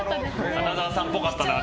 花澤さんっぽかったな。